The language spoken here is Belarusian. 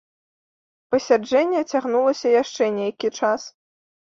Пасяджэнне цягнулася яшчэ нейкі час.